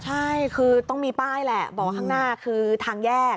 ใช่คือต้องมีป้ายแหละบอกข้างหน้าคือทางแยก